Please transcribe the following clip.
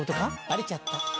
バレちゃった。